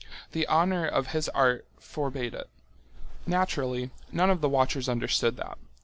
The honour of his art forbade it. Naturally, none of the watchers understood that.